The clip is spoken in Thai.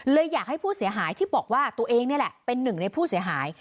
อยากให้ผู้เสียหายที่บอกว่าตัวเองนี่แหละเป็นหนึ่งในผู้เสียหาย